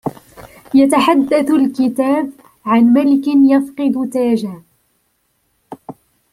.يتحدث الكتاب عن ملك يفقد تاجه